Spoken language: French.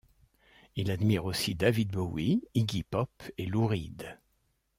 Il admire aussi David Bowie, Iggy Pop et Lou Reed.